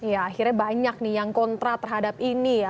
ya akhirnya banyak nih yang kontra terhadap ini ya